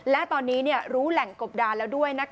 และตอนนี้รู้แหล่งกบดานแล้วด้วย